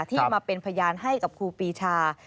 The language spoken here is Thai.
ที่มาเป็นพยานให้กับครูปีชา